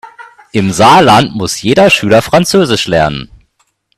Im Saarland muss jeder Schüler französisch lernen.